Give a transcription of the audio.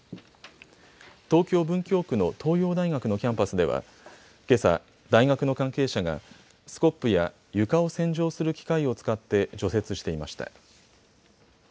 東京文京区の東洋大学のキャンパスではけさ、大学の関係者がスコップや床を洗浄する機械を使って除雪していました。